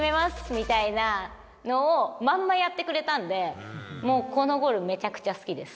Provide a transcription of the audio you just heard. みたいなのを、まんまやってくれたんで、もうこのゴール、めちゃくちゃ好きです。